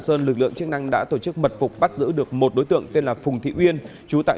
sơn lực lượng chức năng đã tổ chức mật phục bắt giữ được một đối tượng tên là phùng thị uyên chú tại